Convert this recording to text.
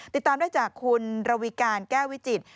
ติดตามได้จากคุณระวิการแก้ววิจิตร